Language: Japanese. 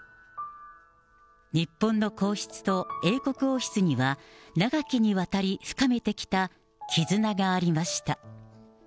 日本の皇室と英国王室には、長きにわたり深めてきた絆がありました。